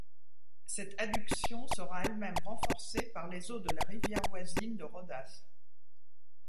Cette adduction sera elle-même renforcée par les eaux de la rivière voisine de Rhodas.